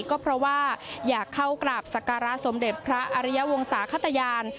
ก็เพราะว่าอยากเข้ากราบสการะสมเด็จพระอริยวงศาขตยาน